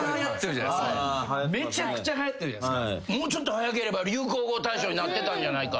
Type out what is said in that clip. もうちょっと早ければ流行語大賞になってたんじゃないか。